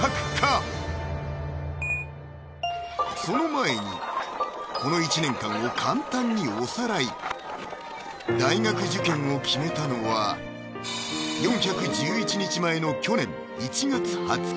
その前にこの１年間を簡単におさらい大学受験を決めたのは４１１日前の去年１月２０日